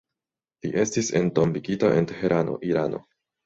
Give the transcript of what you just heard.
Li estis entombigita en Teherano, Irano.